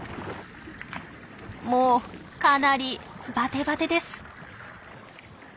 もうかなりバテバテです。